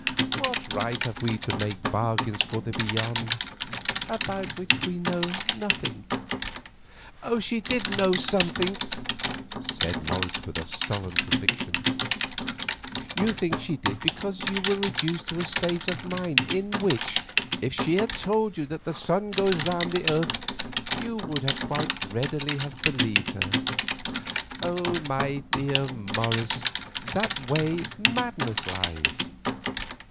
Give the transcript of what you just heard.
What right have we to make bargains for the Beyond, about which we know nothing?" "She did know something," said Morris, with a sullen conviction. "You think she did because you were reduced to a state of mind in which, if she had told you that the sun goes round the earth, you would quite readily have believed her. My dearest Morris, that way madness lies.